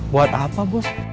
buat apa bos